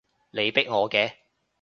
你逼我嘅